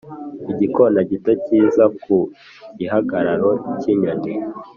igikona gito cyiza ku gihagararo cyinyoni